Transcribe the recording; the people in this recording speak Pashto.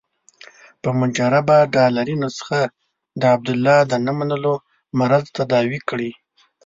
په مجربه ډالري نسخه د عبدالله د نه منلو مرض تداوي کړي.